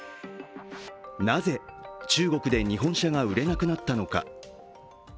なぜ、中国で日本車が売れなくなったのか。